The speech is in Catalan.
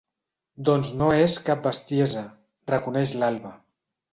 Doncs no és cap bestiesa —reconeix l'Alva—.